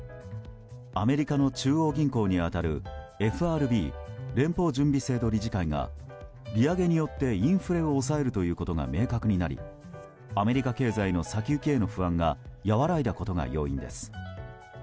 アメリカの中央銀行に当たるＦＲＢ・連邦準備制度理事会が利上げによってインフレを抑えるということが明確になりアメリカ経済の先行きへの不安が和らいだことが要因です。